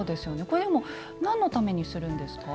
これでも何のためにするんですか？